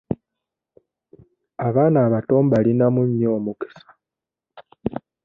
Abaana abato mbalinamu nnyo omukisa.